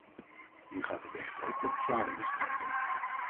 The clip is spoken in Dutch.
Nu gaat het echter ook om zware misdrijven.